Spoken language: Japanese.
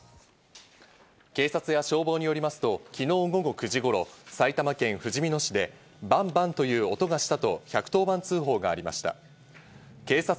警察や消防によりますと昨日午後９時頃、埼玉県ふじみ野市でバンバンという音がしたと１１０番通報がありました。